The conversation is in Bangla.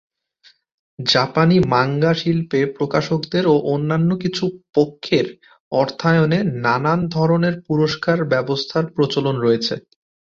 জাপানি মাঙ্গা শিল্পে প্রকাশকদের ও অন্যান্য কিছু পক্ষের অর্থায়নে নানান ধরনের পুরস্কার ব্যবস্থার প্রচলন রয়েছে।